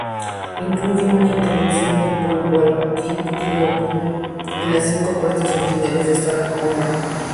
Incluye una introducción de Paul Chadwick y las cinco portadas originales de Strange Armor.